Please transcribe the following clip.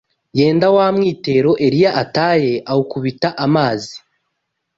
Yenda wa mwitero Eliya ataye, awukubita amazi,